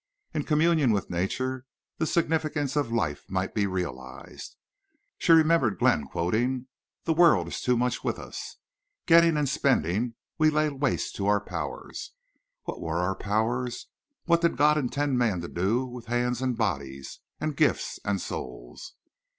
In communion with nature the significance of life might be realized. She remembered Glenn quoting: "The world is too much with us. ... Getting and spending, we lay waste our powers." What were our powers? What did God intend men to do with hands and bodies and gifts and souls?